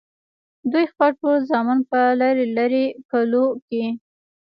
دوي خپل ټول زامن پۀ لرې لرې کلو کښې